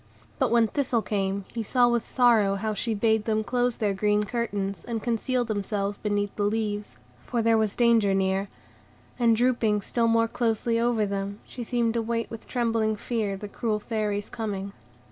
But when Thistle came, he saw with sorrow how she bade them close their green curtains, and conceal themselves beneath the leaves, for there was danger near; and, drooping still more closely over them, she seemed to wait with trembling fear the cruel Fairy's coming.